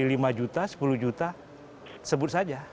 dari lima juta sepuluh juta sebut saja